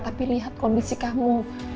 tapi lihat kondisi kamu